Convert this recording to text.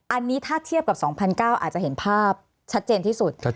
อันนี้ถ้าเทียบกับ๒๙๐๐อาจจะเห็นภาพชัดเจนที่สุด